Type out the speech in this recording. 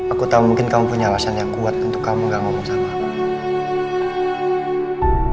aku tahu mungkin kamu punya alasan yang kuat untuk kamu gak ngomong sama aku